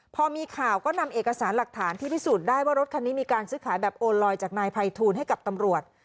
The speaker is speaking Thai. พอมีข่าวก็นำเอกสารหลักฐานที่พิสูจน์ได้ว่ารถคันนี้มีการซื้อขายแบบโอลอยจากนายภัยทูลให้กับตำรวจ